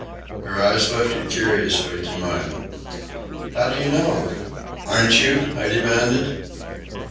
Her eyes lifted curiously to mine. "How do you know?" "Aren't you?" I demanded.